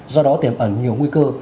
do đó tiềm ẩn nhiều nguy cơ